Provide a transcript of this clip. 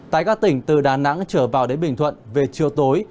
tại các tỉnh từ đà nẵng trở vào đến bình thuận về chiều tối